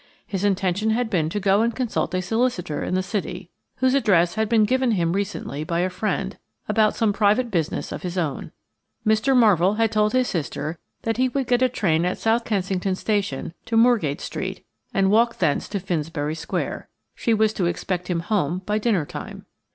His intention had been to go and consult a solicitor in the City–whose address had been given him recently by a friend–about some private business of his own. Mr. Marvell had told his sister that he would get a train at South Kensington Station to Moorgate Street, and walk thence to Finsbury Square. She was to expect him home by dinner time.